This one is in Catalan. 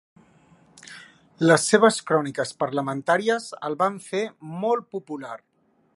Les seves cròniques parlamentàries el van fer molt popular.